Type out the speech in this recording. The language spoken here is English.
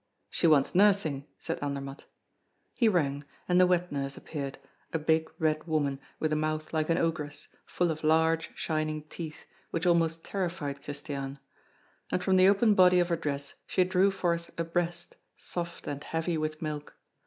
"She wants nursing," said Andermatt. He rang, and the wet nurse appeared, a big red woman, with a mouth like an ogress, full of large, shining teeth, which almost terrified Christiane. And from the open body of her dress she drew forth a breast, soft and heavy with milk.